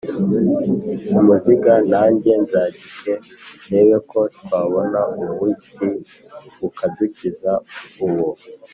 umuzinga, nange nzagike ndebe ko twabona ubuki bukadukiza!” Uwo